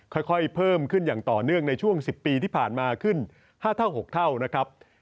ค่อยเพิ่มขึ้นอย่างต่อเนื่องในช่วง๑๐ปีที่ผ่านมาขึ้น๕เท่า๖เท่านะครับ